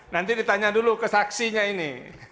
nanti ditanya dulu ke saksinya ini